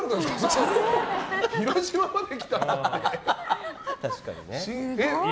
広島まで来たって。